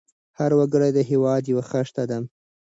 هر وګړی د هېواد یو خښته ده.